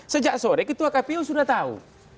sejak sore ketua kpu sudah tahu